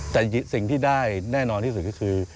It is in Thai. แต่สิ่งที่ได้แน่นอนที่สุดก็คือ